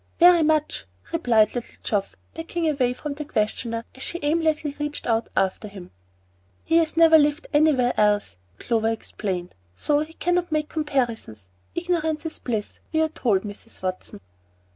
"Very much," replied little Geoff, backing away from the questioner, as she aimlessly reached out after him. "He has never lived anywhere else," Clover explained; "so he cannot make comparisons. Ignorance is bliss, we are told, Mrs. Watson."